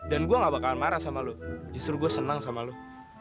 dan gue nggak bakalan marah sama lo justru gue senang sama lo